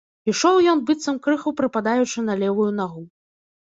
Ішоў ён, быццам крыху прыпадаючы на левую нагу.